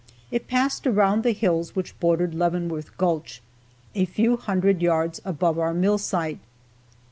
It passed around the hills which bordered Leavenworth gulch, a few hundred yards above our mill site.